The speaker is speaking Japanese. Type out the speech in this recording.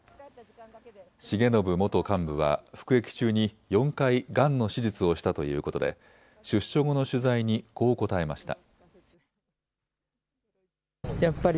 重信元幹部は服役中に４回がんの手術をしたということで出所後の取材にこう答えました。